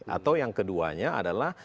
atau yang keduanya adalah